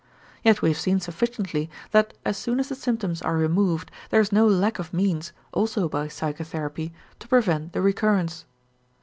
Yet we have seen sufficiently that as soon as the symptoms are removed, there is no lack of means, also by psychotherapy, to prevent the recurrence.